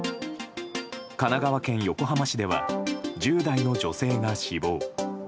神奈川県横浜市では１０代の女性が死亡。